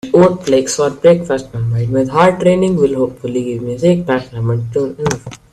Eating oat flakes for breakfast combined with hard training will hopefully give me a six-pack stomach soon enough.